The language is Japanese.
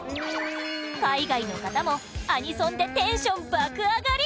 海外の方も、アニソンでテンション爆上がり！